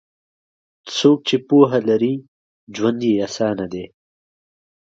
څوک چې پوهه لري، ژوند یې اسانه دی.